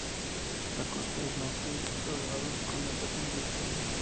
La costa al norte es de rodados con alta pendiente.